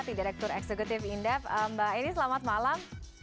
tidirektur eksekutif indep mbak eni selamat malam